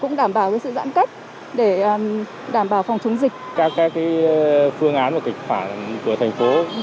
nó cũng nhẹ nhõm hơn rất nhiều